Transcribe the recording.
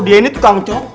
dia ini tukang copet